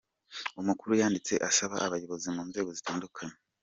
Umukuru yanditse asaba abayobozi mu nzego zitandukanye.